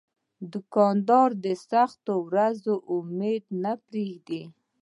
دوکاندار د سختو ورځو امید نه پرېږدي.